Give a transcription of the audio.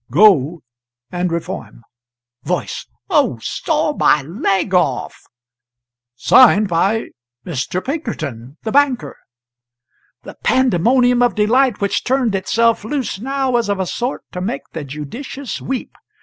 "] Go, and reform.'" [Voice. "Oh, saw my leg off!"] Signed by Mr. Pinkerton the banker." The pandemonium of delight which turned itself loose now was of a sort to make the judicious weep.